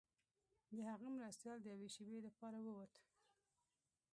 د هغه مرستیال د یوې شیبې لپاره ووت.